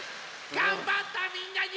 がんばったみんなにはくしゅ！